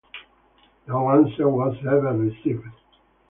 No answer was ever received.